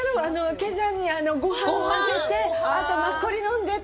ケジャンにごはんをのせて、あとマッコリ飲んでって。